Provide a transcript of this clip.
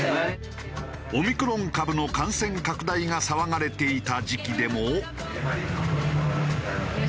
オミクロン株の感染拡大が騒がれていた時期でも。